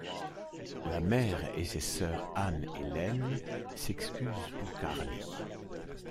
La mère et ses sœurs Anne et Lene s'excusent pour Karli.